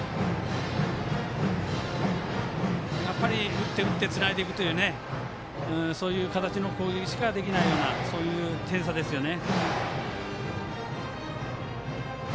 打って打ってつないでいくというそういう形の攻撃しかできないようなそういう点差ですよね。